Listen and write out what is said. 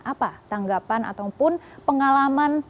apa tanggapan ataupun pengalaman